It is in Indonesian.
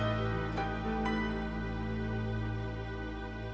aku harus melayanginya dengan baik